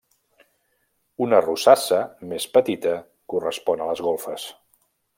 Una rosassa més petita correspon a les golfes.